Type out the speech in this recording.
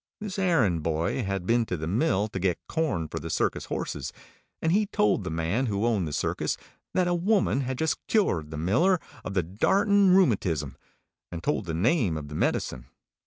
This errand boy had been to the mill to get corn for the circus horses, and he told the man who owned the circus that a woman had just cured the miller of the darting rheumatism, and told the name of the medicine.